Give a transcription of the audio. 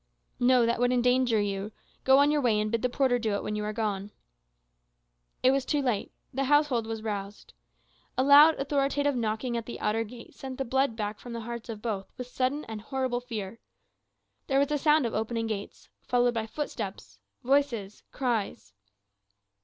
"No; that would endanger you. Go on your way, and bid the porter do it when you are gone." It was too late, the household was roused. A loud authoritative knocking at the outer gate sent the blood back from the hearts of both with sudden and horrible fear. There was a sound of opening gates, followed by footsteps voices cries.